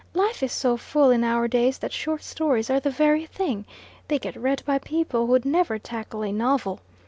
Life is so full in our days that short stories are the very thing; they get read by people who'd never tackle a novel.